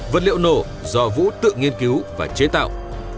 vật liệu nổ do vũ tự nghiên cứu và chế tạo